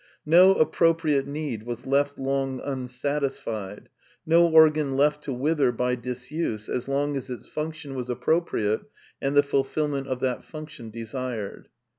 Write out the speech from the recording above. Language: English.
No appropriate need was left long unsatisfied, no organ left to vidther by disuse as long as its function was appropriate and the fulfilment of that function desired.